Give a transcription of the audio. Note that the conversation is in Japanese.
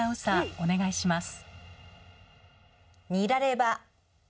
お願いします。